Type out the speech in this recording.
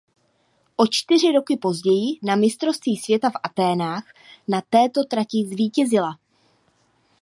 O čtyři roky později na mistrovství světa v Athénách na této trati zvítězila.